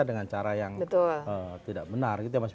dengan cara yang tidak benar